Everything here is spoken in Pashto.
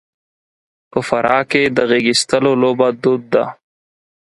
په فراه کې د غېږاېستلو لوبه دود ده.